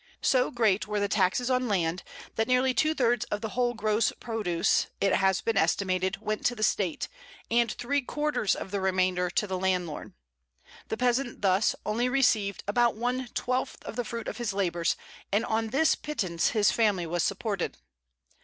So great were the taxes on land, that nearly two thirds of the whole gross produce, it has been estimated, went to the State, and three quarters of the remainder to the landlord. The peasant thus only received about one twelfth of the fruit of his labors; and on this pittance his family was supported.